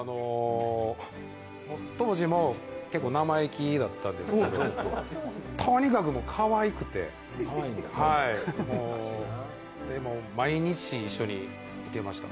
当時も生意気だったんですけど、とにかくかわいくて、毎日一緒にいてました。